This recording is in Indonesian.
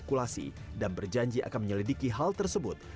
mereka harus berpikir dan berjanji akan menyelidiki hal tersebut